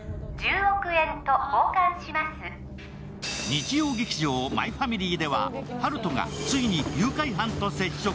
日曜劇場「マイファミリー」では温人がついに誘拐犯と接触。